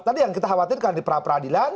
tadi yang kita khawatir kan di pra peradilan